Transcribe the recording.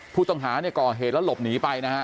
ผู้ต้องหาเนี่ยก่อเหตุแล้วหลบหนีไปนะฮะ